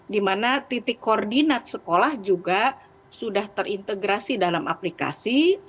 di mana titik koordinat sekolah juga sudah terintegrasi dalam aplikasi